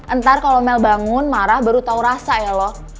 entar kalo mel bangun marah baru tau rasa ya lo